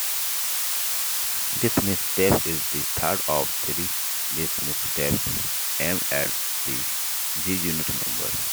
This mixtape is the third of three diss mixtapes aimed at the G-Unit members.